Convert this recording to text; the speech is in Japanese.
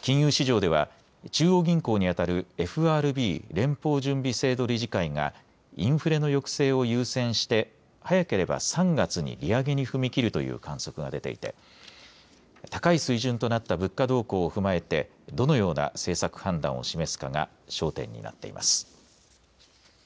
金融市場では中央銀行に当たるＦＲＢ、連邦準備制度理事会がインフレの抑制を優先して早ければ３月に利上げに踏み切るという観測が出ていて高い水準となった物価動向を踏まえてどのような政策判断を示すかが焦点になっています。